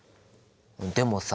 でもさ。